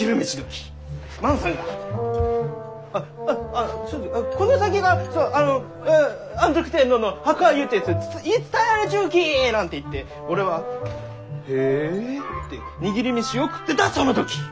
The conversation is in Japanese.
万さんが「ああああこの先がそのあのあ安徳天皇の墓ゆうて言い伝えられちゅうき！」なんて言って俺は「へえ」って握り飯を食ってたその時！